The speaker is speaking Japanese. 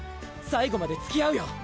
最後までつきあうよ！